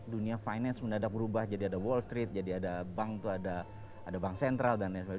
dunia finance mendadak berubah jadi ada wall street jadi ada bank itu ada bank sentral dan lain sebagainya